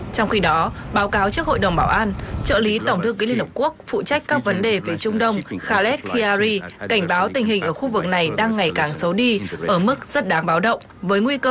trong khi đó báo cáo trước hội đồng bảo an trợ lý tổng thư ký liên hợp quốc phụ trách các vấn đề về trung đông khaled khayyari cảnh báo tình hình ở khu vực này đang ngày càng xấu đi ở mức rất đáng báo động